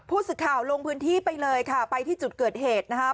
ผู้สื่อข่าวลงพื้นที่ไปเลยค่ะไปที่จุดเกิดเหตุนะครับ